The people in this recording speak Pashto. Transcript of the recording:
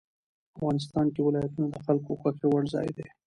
افغانستان کې ولایتونه د خلکو خوښې وړ ځای دی.